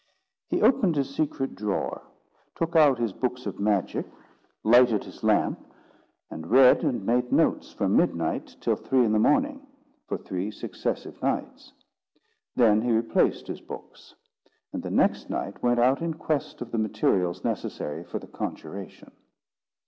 He opened his secret drawer, took out his books of magic, lighted his lamp, and read and made notes from midnight till three in the morning, for three successive nights. Then he replaced his books; and the next night went out in quest of the materials necessary for the conjuration.